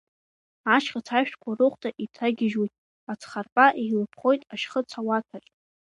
Ашьхыц ашәҭқәа рыхәда иҭагьежьуеит, ацхарпа еилыԥхоит ашьхыц ауаҭәаҿ.